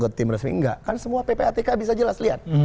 ke tim resmi enggak kan semua ppatk bisa jelas lihat